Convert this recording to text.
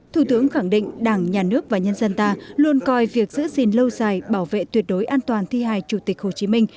thủ tướng khẳng định đảng nhà nước và nhân dân ta luôn coi việc giữ gìn lâu dài bảo vệ tuyệt đối an toàn thi hài chủ tịch hồ chí minh